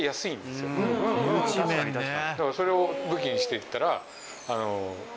だからそれを武器にしていったら。